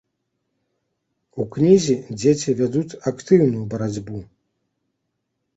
У кнізе дзеці вядуць актыўную барацьбу.